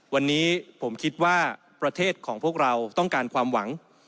วันนี้ผมคิดว่าประเทศของพวกเราต้องการความหวัง